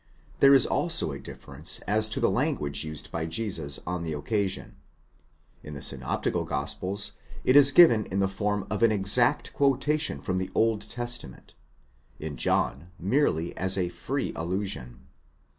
There is also a difference as to the language used by Jesus on the occasion ; in the synoptical gospels, it is given in the form of an exact quotation from the Old Testament ; in John, merely as a free allusion.